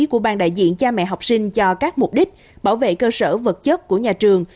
của ban đại diện cha mẹ học sinh cho các mục đích bảo vệ cơ sở vật chất của nhà trường